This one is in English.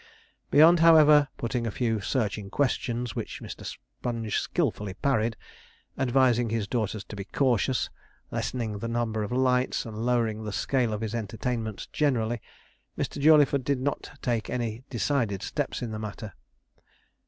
Beyond, however, putting a few searching questions which Mr. Sponge skilfully parried advising his daughters to be cautious, lessening the number of lights, and lowering the scale of his entertainments generally, Mr. Jawleyford did not take any decided step in the matter.